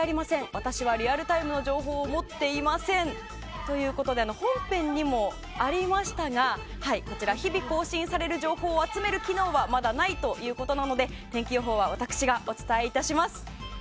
私はリアルタイムの情報を持っていませんということで本編にもありましたが日々、更新される情報を集める機能はまだないということなので天気予報は私がお伝えいたします。